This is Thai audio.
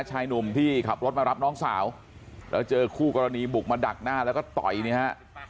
ชายหนุ่มที่ขับรถมารับน้องสาวแล้วเจอคู่กรณีบุกมาดักหน้าแล้วก็ต่อยเนี่ยฮะ